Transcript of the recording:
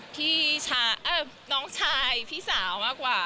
พี่น้องชายพี่สาวมากกว่า